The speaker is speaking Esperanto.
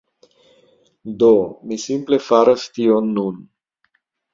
Do, mi simple faras tion nun